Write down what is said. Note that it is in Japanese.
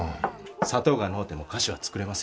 砂糖がのうても菓子は作れますよ。